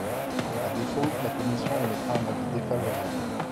À défaut, la commission émettra un avis défavorable.